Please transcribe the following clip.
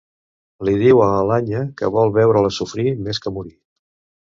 Li diu a l'Anya que vol veure-la sofrir més que morir.